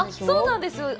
そうなんです。